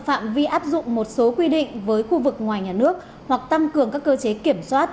phạm vi áp dụng một số quy định với khu vực ngoài nhà nước hoặc tăng cường các cơ chế kiểm soát